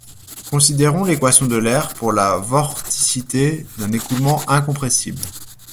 Considérons l'équation d'Euler pour la vorticité d'un écoulement incompressible